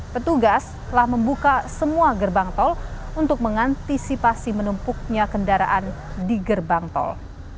petugas telah membuka semua gerbang tol untuk mengantisipasi menumpuknya kendaraan di gerbang tol